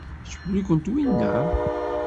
Icewwel-ikent winna?